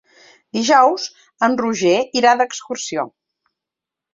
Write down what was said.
Dijous en Roger irà d'excursió.